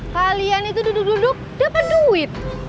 kalian itu duduk duduk dapat duit